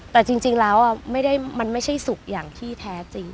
แต่จริงแล้วมันไม่ใช่สุขอย่างที่แท้จริง